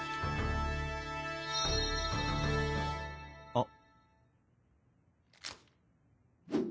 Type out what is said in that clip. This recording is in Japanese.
あっ